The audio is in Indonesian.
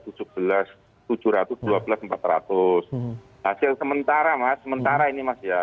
hasil sementara mas sementara ini mas ya